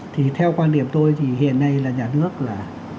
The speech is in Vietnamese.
thì theo quan điểm tôi thì hiện nay là nhà nước là